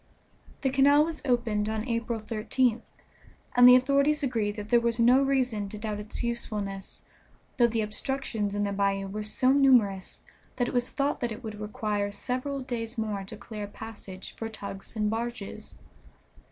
The canal was opened on April 13th, and the authorities agreed that there was no reason to doubt its usefulness, though the obstructions in the bayou were so numerous that it was thought that it would require several days more to clear a passage for tugs and barges.